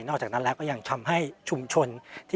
อกจากนั้นแล้วก็ยังทำให้ชุมชน